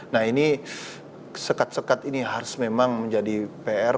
nah ini sekat sekat ini harus memang menjadi pr